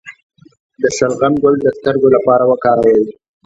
د شلغم ګل د سترګو لپاره وکاروئ